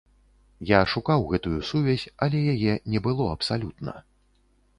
Я шукаў гэтую сувязь, але яе не было абсалютна.